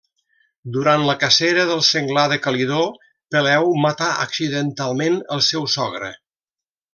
Durant la cacera del senglar de Calidó, Peleu matà accidentalment el seu sogre.